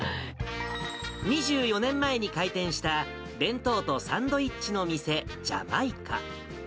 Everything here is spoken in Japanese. ２４年前に開店した弁当とサンドイッチの店、ジャマイカ。